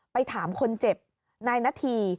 ไปถามคนเจ็บนายนาธี